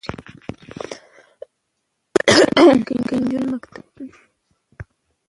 که نجونې مکتب ته لاړې شي نو ماشوم توب به یې نه ضایع کیږي.